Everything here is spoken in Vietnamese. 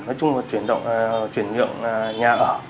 nói chung là chuyển nhượng nhà ở